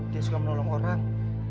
dia suka menolong orang